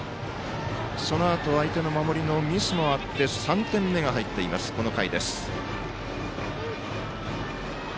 そのあと相手の守りのミスもあって３点目が入っています、この回。